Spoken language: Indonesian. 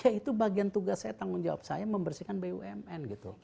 ya itu bagian tugas saya tanggung jawab saya membersihkan bumn gitu